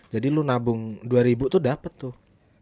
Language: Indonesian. jadi lu nabung dua ribu tuh dapet tuh